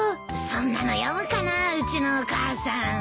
そんなの読むかなぁうちのお母さん。